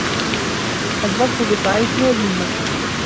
الظَّفَرُ بالضعيف هزيمة